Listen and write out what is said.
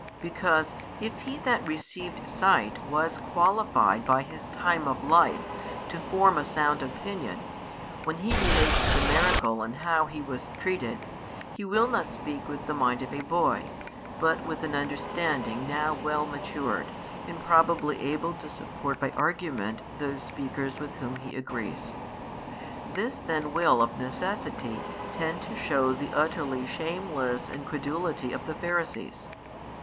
Because, if he that received sight was qualified by his time of life to form a sound opinion; when he relates the miracle and how he was treated, he will not speak with the mind of a boy, but with an understanding now well matured, and probably |35 able to support by argument those speakers with whom he agrees. This then will of necessity tend to shew the utterly shameless incredulity of the Pharisees.